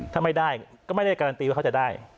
ถ้าไม่ได้ก็ไม่ได้การันตีว่าเขาจะได้